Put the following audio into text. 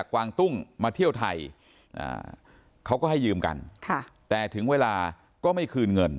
ก็ไม่คืนเงินนะครับ